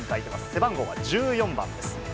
背番号は１４番です。